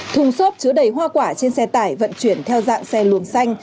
thùng xốp chứa đầy hoa quả trên xe tải vận chuyển theo dạng xe luồng xanh